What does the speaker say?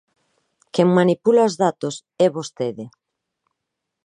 Quen manipula os datos é vostede.